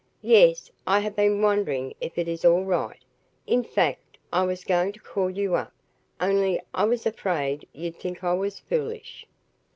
"Yes, I have been wondering if it is all right. In fact, I was going to call you up, only I was afraid you'd think I was foolish."